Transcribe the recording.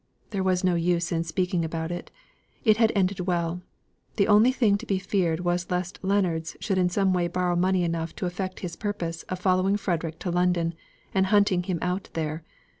There was no use in speaking about it; it had ended well; the only thing to be feared was lest Leonards should in some way borrow money enough to effect his purpose of following Frederick to London, and hunting him out there.